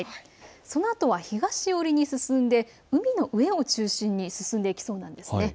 そのあとは東寄りに進んで海の上を中心に進んでいきそうなんですね。